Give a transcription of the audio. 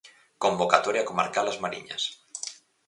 Convocatoria comarcal As Mariñas.